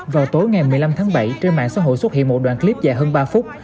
vào tối ngày một mươi năm tháng bảy trên mạng xã hội xuất hiện một đoạn clip dài hơn ba phút